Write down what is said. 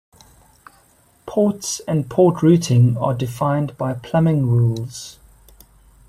Ports and port routing are defined by plumbing rules.